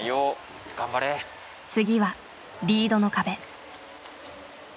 次はリードの壁。